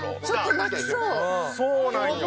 そうなんよ。